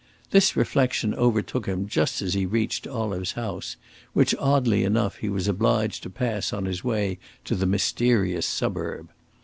This reflexion overtook him just as he reached Olive's house, which, oddly enough, he was obliged to pass on his way to the mysterious suburb.